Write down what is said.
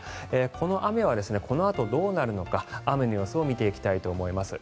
この雨はこのあとどうなるのか雨の予想を見ていきたいと思います。